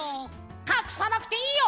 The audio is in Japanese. かくさなくていいよ！